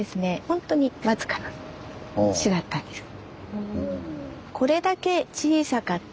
ほんとに僅かな市だったんです。